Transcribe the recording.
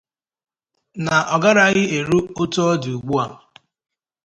na ọ garaghị eru otu ọ dị ugbu a